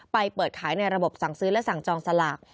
เปิดขายในระบบสั่งซื้อและสั่งจองสลาก